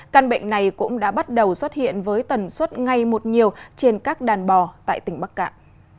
căn bệnh này cũng đã bắt đầu xuất hiện với tần suất ngay một nhiều trên các đàn bò tại tỉnh bắc cạn